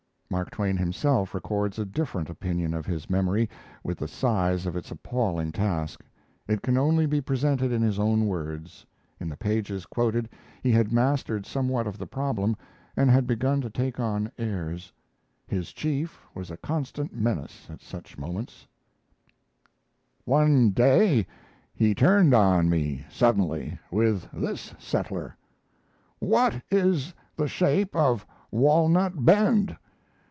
Mark Twain himself records a different opinion of his memory, with the size of its appalling task. It can only be presented in his own words. In the pages quoted he had mastered somewhat of the problem, and had begun to take on airs. His chief was a constant menace at such moments: One day he turned on me suddenly with this settler: "What is the shape of Walnut Bend?"